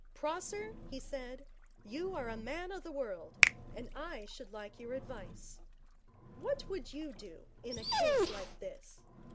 'Prosser,' he said, 'you are a man of the world, and I should like your advice. What would you do in a case like this?